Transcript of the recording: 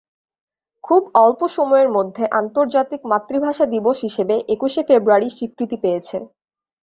খুব অল্প সময়ের মধ্যে আন্তর্জাতিক মাতৃভাষা দিবস হিসেবে একুশে ফেব্রুয়ারি স্বীকৃতি পেয়েছে।